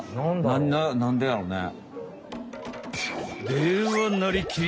では「なりきり！